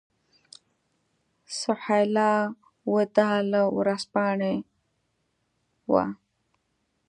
سهیلا وداع له ورځپاڼې وه.